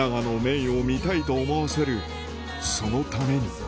郁を見たいと思わせる、そのために。